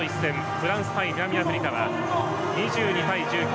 フランス対南アフリカは２２対１９